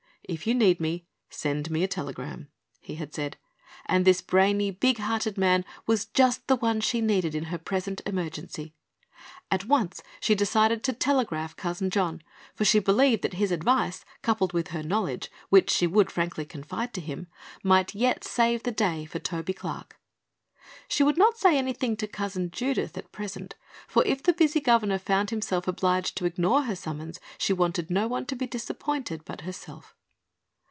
"If you need me, send me a telegram," he had said, and this brainy, big hearted man was just the one she needed in her present emergency. At once she decided to telegraph Cousin John, for she believed that his advice, coupled with her knowledge which she would frankly confide to him might yet save the day for Toby Clark. She would not say anything to Cousin Judith, at present, for if the busy governor found himself obliged to ignore her summons she wanted no one to be disappointed but herself.